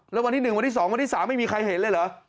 แล้ววันที่หนึ่งวันที่สองวันที่สามไม่มีใครเห็นเลยเหรอ